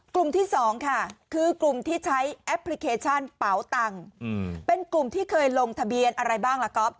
กลุ่มที่๒ค่ะคือกลุ่มที่ใช้แอปพลิเคชันเป๋าตังค์เป็นกลุ่มที่เคยลงทะเบียนอะไรบ้างล่ะก๊อฟ